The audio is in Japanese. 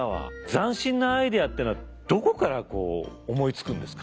斬新なアイデアっていうのはどこからこう思いつくんですか？